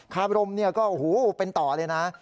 คาบรมเนี่ยก็โอ้โหเป็นต่อเลยนะ